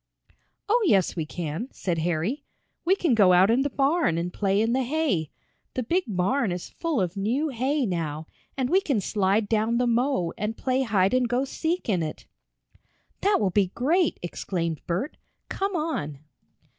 "Oh, yes, we can," said Harry. "We can go out in the barn and play in the hay. The big barn is full of new hay now, and we can slide down the mow and play hide and go seek in it." "That will be great!" exclaimed Bert. "Come on."